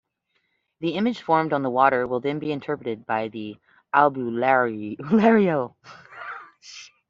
The image formed on the water will then be interpreted by the "albularyo".